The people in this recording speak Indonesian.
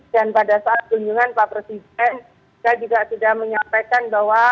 dan pada saat kunjungan pak presiden saya juga sudah menyampaikan bahwa